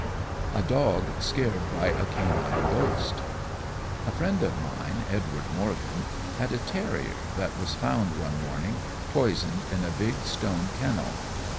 A Dog scared by a Canine Ghost A friend of mine, Edward Morgan, had a terrier that was found one morning, poisoned in a big stone kennel.